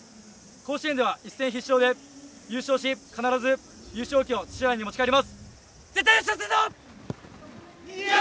甲子園では一戦必勝で優勝し必ず、優勝旗を土浦に持ち帰ります。